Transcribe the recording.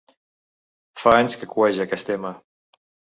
Fa anys que cueja, aquest tema.